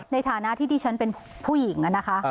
ในฐานะที่ดิฉันเป็นผู้หญิงนะคะ